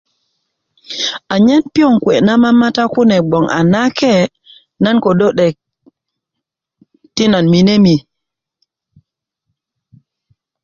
anyen piyoŋ kuwe' na mamata kune gbon a nake nan ködö 'dek ti nan minemi